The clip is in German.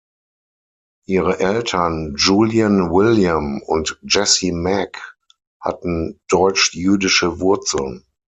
Ihre Eltern Julian William und Jessie Mack hatten deutsch-jüdische Wurzeln.